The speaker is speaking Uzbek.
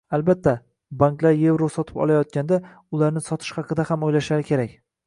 Albatta, banklar evro sotib olayotganda, ularni sotish haqida ham o'ylashlari kerak